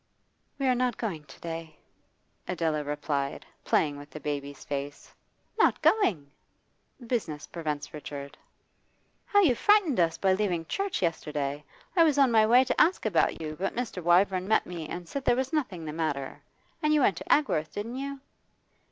'We're not going to day,' Adela replied, playing with the baby's face. 'Not going?' 'Business prevents Richard.' 'How you frightened us by leaving church yesterday! I was on my way to ask about you, but Mr. Wyvern met me and said there was nothing the matter. And you went to Agworth, didn't you?